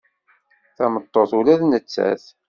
D tameṭṭut ula d nettat.